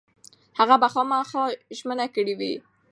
هغه به خامخا ژمنه کړې وي.